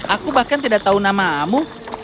aku bahkan tidak tahu namamu